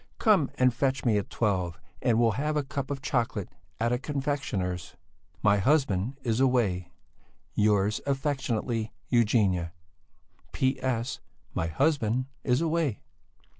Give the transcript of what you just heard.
Come and fetch me at twelve and we'll have a cup of chocolate at a confectioner's. My husband is away. Yours affectionately, EUGENIA. P.S. My husband is away.